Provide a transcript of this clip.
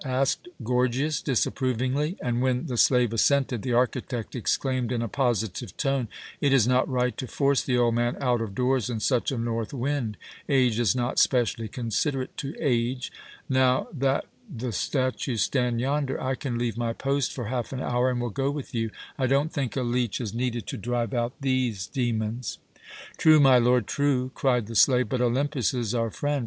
asked Gorgias, disapprovingly, and when the slave assented, the architect exclaimed in a positive tone: "It is not right to force the old man out of doors in such a north wind. Age is not specially considerate to age. Now that the statues stand yonder, I can leave my post for half an hour and will go with you. I don't think a leech is needed to drive out these demons." "True, my lord, true!" cried the slave, "but Olympus is our friend.